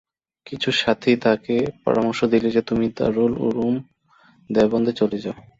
কিছু সাথী তাকে পরামর্শ দিল যে, তুমি দারুল উলুম দেওবন্দে চলে যাও।